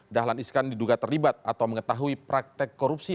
dahlan iskan diduga terlibat atau mengetahui praktek korupsi